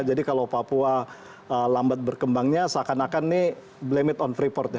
jadi kalau papua lambat berkembangnya seakan akan ini blame it on freeport ya